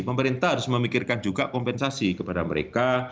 pemerintah harus memikirkan juga kompensasi kepada mereka